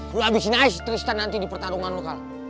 gue udah abisin aja tristan nanti di pertarungan lu kal